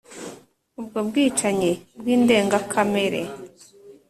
ubwo bwicanyi bw'indengakamere